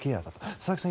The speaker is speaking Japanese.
佐々木さん